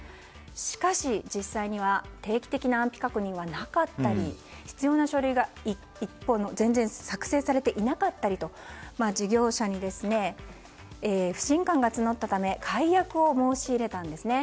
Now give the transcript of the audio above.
しかし、実際には定期的な安否確認はなかったり必要な書類が全然作成されていなかったりと事業者に不信感が募ったため解約を申し入れたんですね。